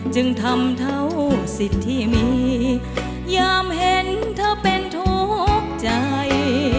จึงทำเท่าสิทธิ์ที่มียามเห็นเธอเป็นทุกข์ใจ